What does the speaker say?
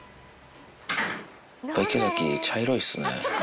池崎、茶色いっすね。